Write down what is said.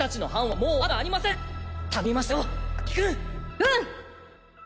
うん。